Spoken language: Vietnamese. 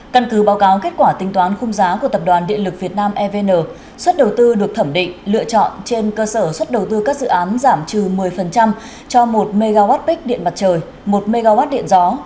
căn cứ báo cáo kết quả tính toán khung giá của tập đoàn điện lực việt nam evn suất đầu tư được thẩm định lựa chọn trên cơ sở suất đầu tư các dự án giảm trừ một mươi cho một mwp điện mặt trời một mw điện gió